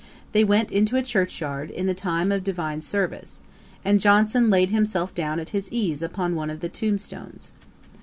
They went into a church yard, in the time of divine service, and Johnson laid himself down at his ease upon one of the tomb stones.